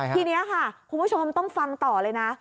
ทีนี้ค่ะคุณผู้ชมต้องฟังต่อเลยนะ